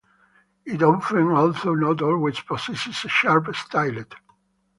It often, although not always, possesses a sharp stylet.